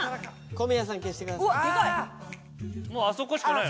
小宮さん消してください。